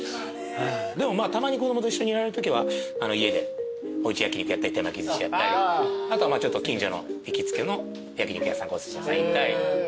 でもたまに子供と一緒にいられるときは家でおうち焼き肉やったり手巻きずしやったりあとは近所の行きつけの焼き肉屋さんかおすし屋さん。